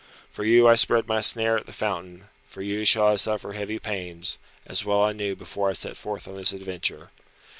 For you I spread my snare at the fountain; for you shall I suffer heavy pains, as well I knew before I set forth on this adventure.